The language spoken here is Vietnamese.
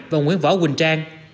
và nguyễn võ quỳnh trang